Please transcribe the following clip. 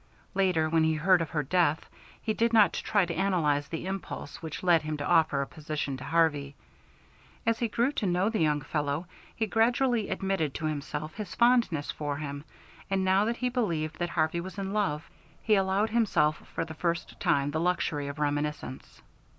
Later when he heard of her death, he did not try to analyze the impulse which led him to offer a position to Harvey. As he grew to know the young fellow he gradually admitted to himself his fondness for him, and now that he believed that Harvey was in love, he allowed himself for the first time the luxury of reminiscence.